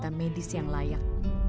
tidak ada medis yang layak